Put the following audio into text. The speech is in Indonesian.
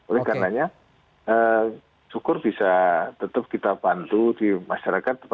oleh karenanya syukur bisa tetap kita bantu di masyarakat